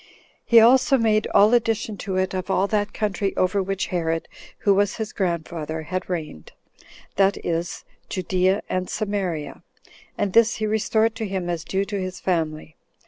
He also made all addition to it of all that country over which Herod, who was his grandfather, had reigned, that is, Judea and Samaria; and this he restored to him as due to his family.